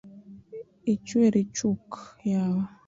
Ichweri chuk yawa?